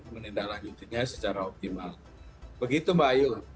menindak lanjutnya secara optimal begitu mbak ayu